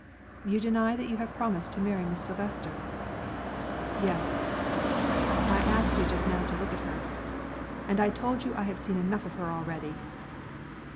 "You deny that you have promised to marry Miss Silvester?" "Yes." "I asked you just now to look at her " "And I told you I had seen enough of her already."